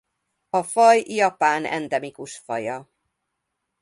A faj Japán endemikus faja.